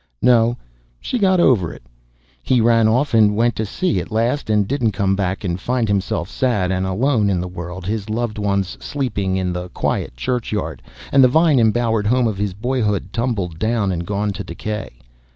No; she got over it. He ran off and went to sea at last, and didn't come back and find himself sad and alone in the world, his loved ones sleeping in the quiet churchyard, and the vine embowered home of his boyhood tumbled down and gone to decay.